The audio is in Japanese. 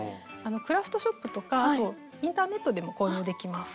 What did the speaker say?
クラフトショップとかあとインターネットでも購入できます。